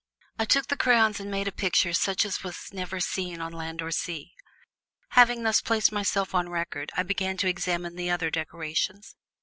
I took the crayons and made a picture such as was never seen on land or sea. Having thus placed myself on record, I began to examine the other decorations.